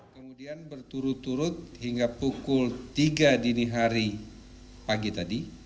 kemudian berturut turut hingga pukul tiga dini hari pagi tadi